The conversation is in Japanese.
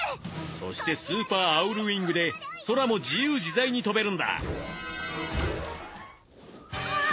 そしてスーパー・アウル・ウィングで空も自由自在に飛べるんだうわっ！